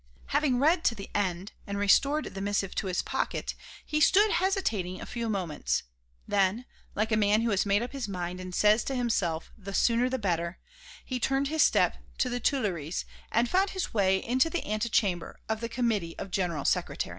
Having read to the end and restored the missive to his pocket, he stood hesitating a few moments; then, like a man who has made up his mind and says to himself "the sooner the better," he turned his steps to the Tuileries and found his way into the antechamber of the Committee of General Security.